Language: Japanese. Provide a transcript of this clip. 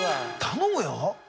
頼むよ！